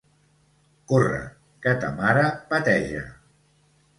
Corre, que ta mare peteja.